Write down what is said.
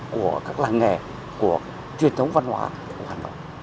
của các làng nghề của truyền thống văn hóa của hà nội